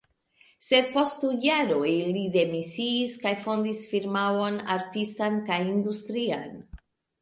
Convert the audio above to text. Sed post du jaroj li demisiis kaj fondis firmaon artistan kaj industrian.